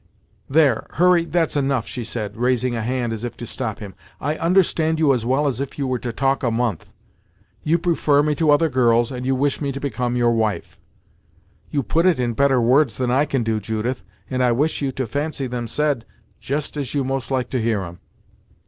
"There Hurry that's enough," she said, raising a hand as if to stop him "I understand you as well as if you were to talk a month. You prefer me to other girls, and you wish me to become your wife." "You put it in better words than I can do, Judith, and I wish you to fancy them said just as you most like to hear 'em."